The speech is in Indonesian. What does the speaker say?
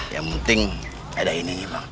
yang penting ada ini nih bang